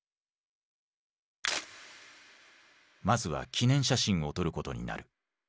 まずは記念写真を撮ることになる。